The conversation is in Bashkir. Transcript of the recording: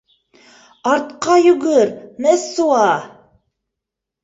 — Артҡа йүгер, Мессуа.